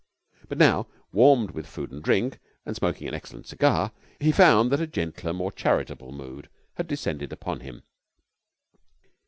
But now, warmed with food and drink and smoking an excellent cigar, he found that a gentler, more charitable mood had descended upon him.